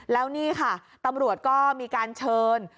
แล้วนี่ค่ะตำรวจก็มีการเชิญ